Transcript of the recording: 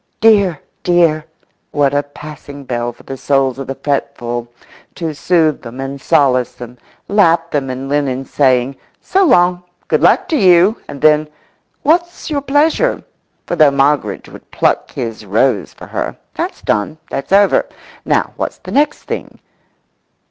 "Dear, dear!" what a passing bell for the souls of the fretful to soothe them and solace them, lap them in linen, saying, "So long. Good luck to you!" and then, "What's your pleasure?" for though Moggridge would pluck his rose for her, that's done, that's over. Now what's the next thing?